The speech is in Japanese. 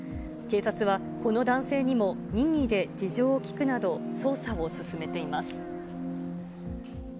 警察は、この男性にも任意で事情を聴くなど、捜査を進めています。